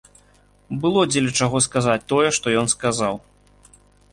Было дзеля чаго сказаць тое, што ён сказаў.